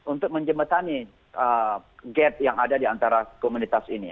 untuk menjembatani gap yang ada di antara komunitas ini